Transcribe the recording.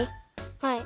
はい。